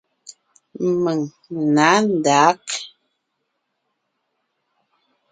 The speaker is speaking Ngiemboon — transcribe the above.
Mèŋ nǎ ndǎg.